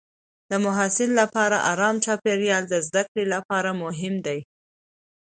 د محصل لپاره ارام چاپېریال د زده کړې لپاره مهم دی.